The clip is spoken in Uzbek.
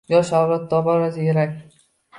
– Yosh avlod tobora ziyrak